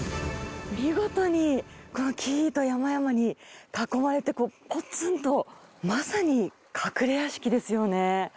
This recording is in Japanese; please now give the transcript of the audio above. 見事に木々と山々に囲まれて、ぽつんと、まさに隠れ屋敷ですよね。